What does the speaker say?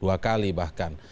dua kali bahkan